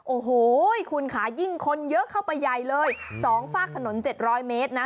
โอ้โหคุณค่ะยิ่งคนเยอะเข้าไปใหญ่เลย๒ฝากถนน๗๐๐เมตรนะ